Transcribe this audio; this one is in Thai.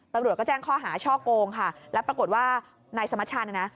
ตำรวจก็แจ้งข้อหาช่อโกงค่ะแล้วปรากฏว่านายสมัชชาเนี่ยนะ